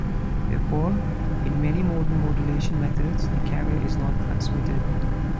Therefore, in many modern modulation methods the carrier is not transmitted.